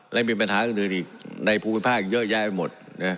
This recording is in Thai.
และมีปัญหาอื่นอีกในภูมิภาคเยอะแยะไปหมด